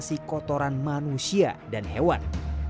kondisi kotoran manusia dan hewan